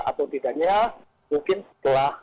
atau tidaknya mungkin setelah